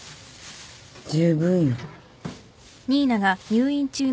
十分よ。